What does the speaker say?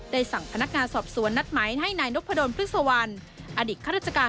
ได้สั่งพนักงานสอบสวนและนัดไหมให้นายนกพะดนพิศวร์ฮ